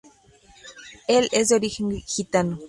Él es de origen gitano.